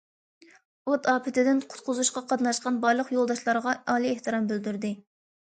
ئوت ئاپىتىدىن قۇتقۇزۇشقا قاتناشقان بارلىق يولداشلارغا ئالىي ئېھتىرام بىلدۈردى!